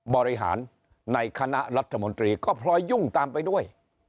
บริหารในคณะรัฐมนตรีก็พลอยยุ่งตามไปด้วย